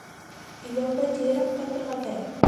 Иләүгә тиҙерәк ҡайтырға кәрәк!